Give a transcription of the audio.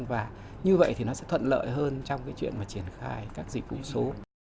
và như vậy thì nó sẽ thuận lợi hơn trong cái chuyện mà triển khai các dịch vụ số